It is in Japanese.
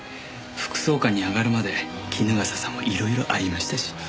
副総監に上がるまで衣笠さんもいろいろありましたし。